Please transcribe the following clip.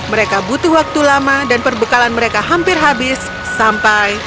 mereka butuh waktu lama dan perbekalan mereka hampir habis sampai